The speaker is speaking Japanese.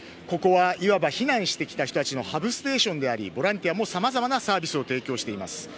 ここはいわば避難してきた人たちのハブステーションでありボランティアもさまざまなサービスを提供しています。